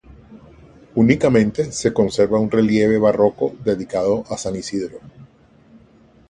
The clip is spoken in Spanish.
Únicamente se conserva un relieve barroco dedicado a San Isidro.